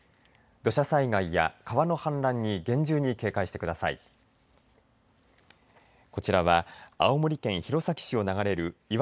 土砂災害や川の氾濫に厳重に警戒してください。